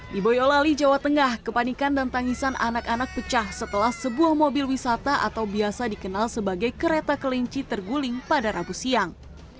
di boyolali jawa tengah kepanikan dan tangisan anak anak pecah setelah sebuah mobil wisata atau biasa dikenal sebagai kereta kelinci terguling pada rabu siang